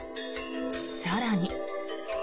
更に。